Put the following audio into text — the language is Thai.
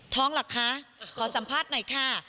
ท้องหลักคะขอสัมภาษณ์หน่อยค่ะ